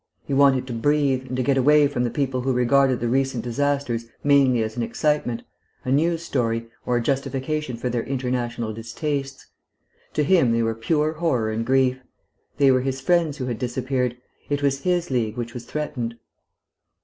He wanted to breathe, and to get away from the people who regarded the recent disasters mainly as an excitement, a news story, or a justification for their international distastes. To him they were pure horror and grief. They were his friends who had disappeared; it was his League which was threatened.